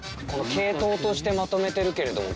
系統としてまとめてるけれども。